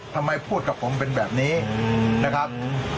พูดกับผมเป็นแบบนี้นะครับ